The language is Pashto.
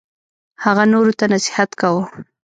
هغه نورو ته نصیحت کاوه.